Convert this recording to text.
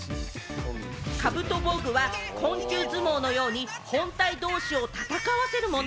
カブトボーグは昆虫相撲のように本体同士を戦わせるもの。